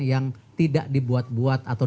yang tidak dibuat buat atau